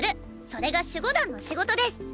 それが守護団の仕事です！